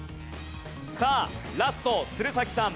さあラスト鶴崎さん